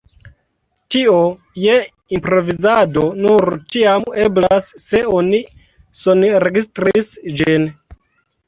Tio je improvizado nur tiam eblas, se oni sonregistris ĝin.